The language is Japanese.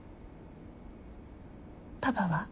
パパは？